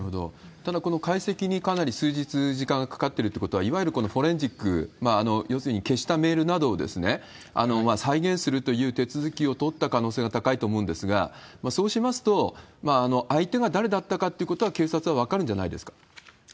ただ、この解析にかなり数日時間がかかっているということは、いわゆるフォレンジック、要するに消したメールなどを再現するという手続きを取った可能性が高いと思うんですが、そうしますと、相手が誰だったかということは警察は分かるんじゃないですか？